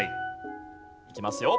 いきますよ。